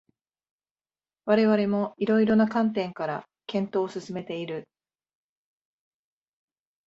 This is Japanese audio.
我々も色々な観点から検討を進めている